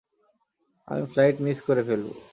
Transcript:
আমরা flight miss করে ফেলবো।